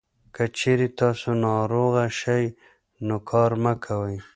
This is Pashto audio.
که چېرې تاسو ناروغه شئ، نو کار مه کوئ.